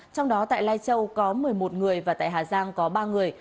trong đó tại lai châu có một mươi một người và tại hà giang có ba người